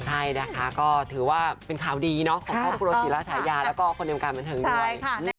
ใช่นะคะก็ถือว่าเป็นข่าวดีเนาะของพ่อภูโรศีราชายาแล้วก็คนเดียวกับการบันทึงด้วย